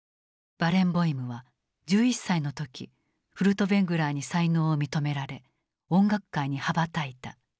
バレンボイムは１１歳の時フルトヴェングラーに才能を認められ音楽界に羽ばたいた。